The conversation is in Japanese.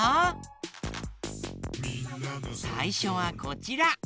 さいしょはこちら。